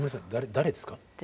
誰ですか？